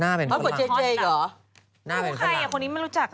อ้าวปกติเจย์อีกเหรอ